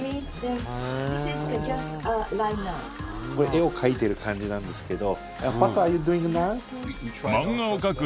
絵を描いている感じなんですけど。